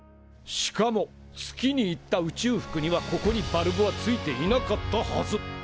しかも月に行った宇宙服にはここにバルブはついていなかったはず。